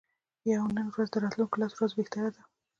یوه نن ورځ د راتلونکو لسو ورځو بهتره ده.